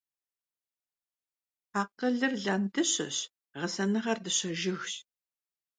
Akhılır landışeş, ğesenığer dışe jjıgş.